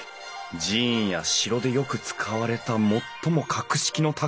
寺院や城でよく使われた最も格式の高い構造。